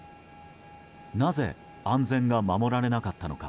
なぜ安全が守られなかったのか。